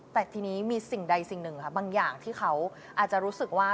แต่ทีนี้มีสิ่งใดสิ่งหนึ่งครับบางอย่างที่เขาอาจจะรู้สึกว่า